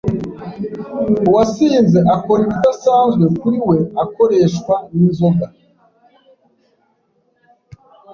uwasinze akora ibidasanzwe kuri we akoreshwa n'inzoga.